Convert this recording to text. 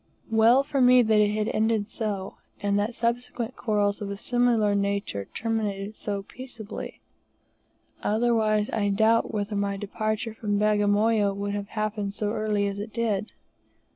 Well for me that it ended so, and that subsequent quarrels of a similar nature terminated so peaceably, otherwise I doubt whether my departure from Bagamoyo would have happened so early as it did.